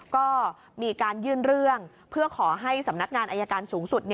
ก็มีการยื่นเรื่องเพื่อขอให้สำนักงานอายการสูงสุด